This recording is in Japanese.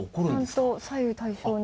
ちゃんと左右対称に。